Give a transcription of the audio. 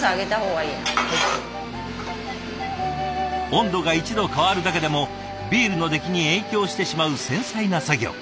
温度が１度変わるだけでもビールの出来に影響してしまう繊細な作業。